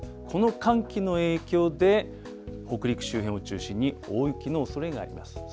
この寒気の影響で、北陸周辺を中心に大雪のおそれがあります。